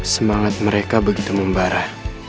semangat mereka begitu membara